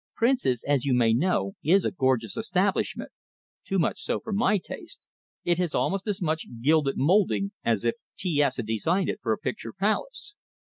Prince's, as you may know, is a gorgeous establishment: too much so for my taste it has almost as much gilded moulding as if T S had designed it for a picture palace.